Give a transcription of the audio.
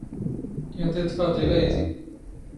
ⵉⴹⵉ ⴷ ⴼⴰⴹⵉⵍ ⴰⵢⴷⵉ.